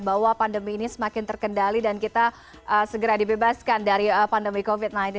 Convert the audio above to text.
bahwa pandemi ini semakin terkendali dan kita segera dibebaskan dari pandemi covid sembilan belas